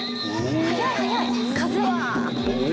速い速い！風！